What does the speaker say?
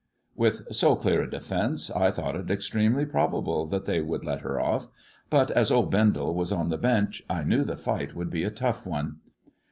With so clear a defence I thought it extremely probable that they would let her off ; but as old Bendel was on the Bench I knew the fight would be a tough one.